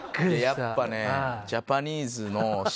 やっぱね。